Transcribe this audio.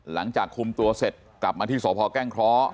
หลังจากคุมตัวเสร็จกลับมาที่สพแก้งเคราะห์